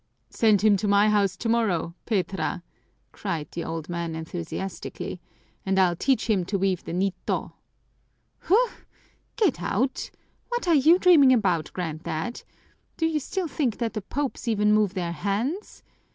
"Send him to my house tomorrow, Petra," cried the old man enthusiastically, "and I'll teach him to weave the nito!" "Huh! Get out! What are you dreaming about, grand dad? Do you still think that the Popes even move their hands?